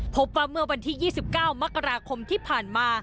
พบว่าเมื่อวันที่๒๙มกราคมที่ผ่านมา